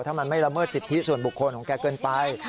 ถ้ามันไม่ละเมิดสิทธิส่วนบุคคลของแกเกินไป